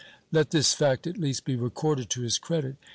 Let this fact at least be recorded to his credit.